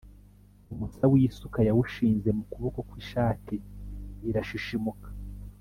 umusa w’isuka yawushinze mu kuboko kw’ishati irashishimuka.